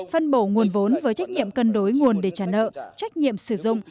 phân bổ nguồn vốn với trách nhiệm cân đối nguồn để trả nợ trách nhiệm sử dụng